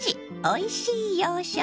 おいしい洋食」。